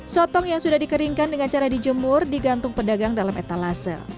sotong yang sudah dikeringkan dengan cara dijemur digantung pedagang dalam etalase